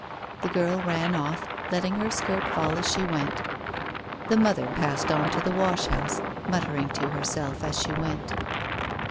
The girl ran off, letting her skirt fall as she went The mother passed on to the wash house, muttering to herself as she went.